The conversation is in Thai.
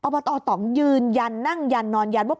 บตตองยืนยันนั่งยันนอนยันว่า